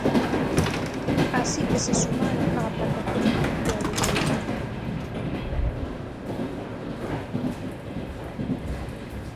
Así que se sumaron á plataforma de alugueiro.